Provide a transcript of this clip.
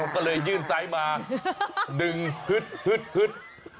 อ๋อก็เลยยื่นซ้ายมาดึงฮึดฮึดฮึด